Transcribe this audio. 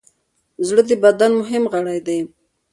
زړه د بدن مهم غړی دی.